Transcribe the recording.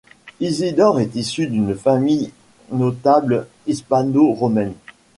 Isidore est issu d'une famille notable hispano-romaine.